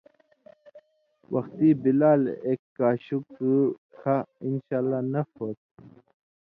وختی بلال ایک کاشُک کھہ، انشاءاللہ نفع ہوتُھو۔